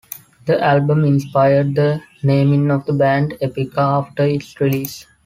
The album inspired the naming of the band Epica after its release.